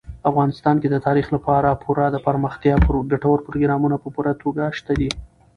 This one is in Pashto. افغانستان کې د تاریخ لپاره پوره دپرمختیا ګټور پروګرامونه په پوره توګه شته دي.